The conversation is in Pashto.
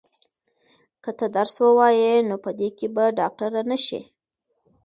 که ته درس ووایې نو په دې کې به ډاکټره نه شې.